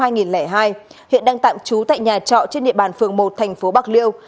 phụ nữ sinh năm hai nghìn hai hiện đang tạm trú tại nhà trọ trên địa bàn phường một thành phố bạc liêu